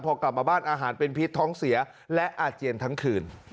พอกลับมาบ้านอาหารเป็นพิษท้องเสียและอาเจียนทั้งคืน